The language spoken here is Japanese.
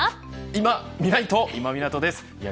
いまみないと、今湊です。